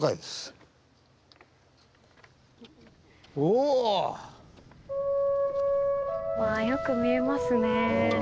わぁよく見えますね。